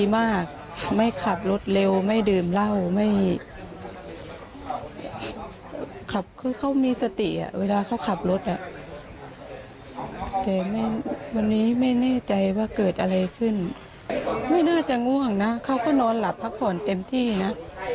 ไม่น่าจะง่วงนะเขาก็นอนหลับพักผอนเต็มที่นะ